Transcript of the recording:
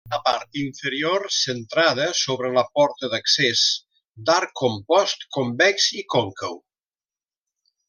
A la part inferior, centrada, s'obre la porta d'accés, d'arc compost convex i còncau.